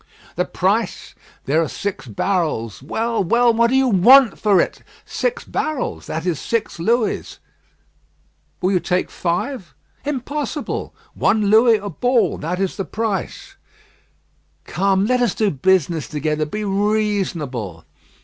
"The price?" "There are six barrels." "Well, well, what do you want for it?" "Six barrels; that is six Louis." "Will you take five?" "Impossible. One Louis a ball. That is the price." "Come, let us do business together. Be reasonable."